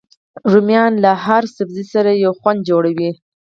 رومیان له هر سبزي سره یو خوند جوړوي